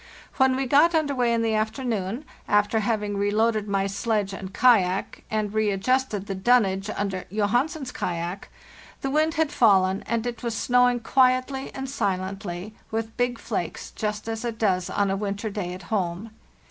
When we got under way in the afternoon—after having reloaded my sledge and kayak, and readjusted the dunnage under Johansen's kayak—the wind had fallen, and it was snow ing quietly and silently, with big flakes, just as it does on a winter day at home.